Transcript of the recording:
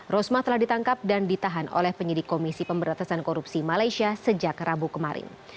rosmah telah ditangkap dan ditahan oleh penyidik komisi pemberatasan korupsi malaysia sejak rabu kemarin